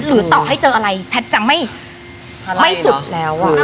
ต่อให้เจออะไรแพทย์จะไม่สุดแล้ว